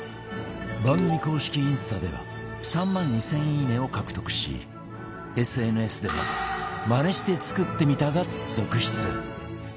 番組公式インスタでは３万２０００「いいね」を獲得し ＳＮＳ でも「マネして作ってみた」が続出